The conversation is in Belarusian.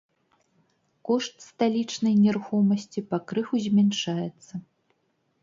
Кошт сталічнай нерухомасці пакрыху змяншаецца.